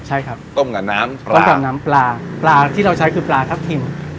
ใช่ครับต้มกับน้ำต้มกับน้ำปลาปลาที่เราใช้คือปลาทับทิม